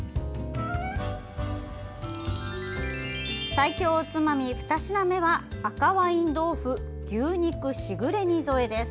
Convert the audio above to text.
最強おつまみ２品目は赤ワイン豆腐牛肉しぐれ煮添えです。